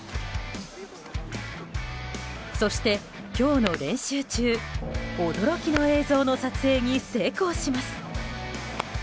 そして、今日の練習中驚きの映像の撮影に成功します。